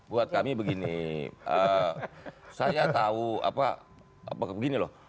buat kami begini saya tahu apa begini loh